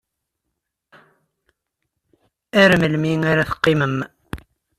Ar melmi ara teqqimem?